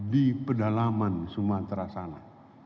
di pedalaman sumatera sana